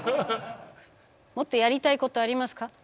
もっとやりたいことありますか？